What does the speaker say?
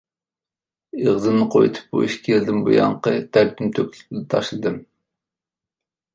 ئېغىزىمنى قويۇۋېتىپ بۇ ئىككى يىلدىن بۇيانقى دەردىمنى تۆكۈپلا تاشلىدىم.